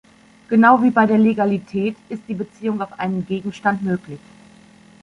Genau wie bei der Legalität ist die Beziehung auf einen Gegenstand möglich.